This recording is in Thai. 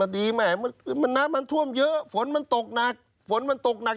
ดีแม่น้ำมันท่วมเยอะฝนมันตกหนัก